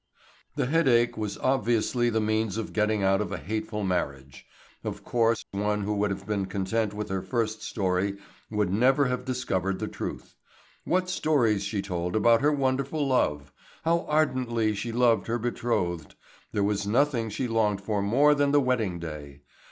The headache was obviously the means of getting out of a hateful marriage. Of course one who would have been content with her first story would never have discovered the truth. What stories she told about her wonderful love! How ardently she loved her betrothed! There was nothing she longed for more than the wedding day!